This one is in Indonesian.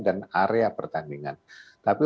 dan area pertandingan tapi